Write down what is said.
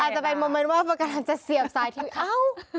อาจจะเป็นโมเมนต์ว่ามันกำลังจะเสียบซ้ายทีวี